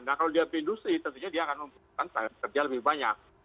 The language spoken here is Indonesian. nah kalau dia ke industri tentunya dia akan membutuhkan tenaga kerja lebih banyak